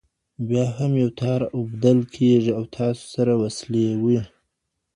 بيا هم يو تار اوبدل کیږي او تاسو سره وصلوي.